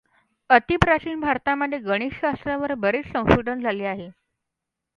अतिप्राचीन भारतामधे गणित शास्त्रावर बरेच संशोधन झाले आहे.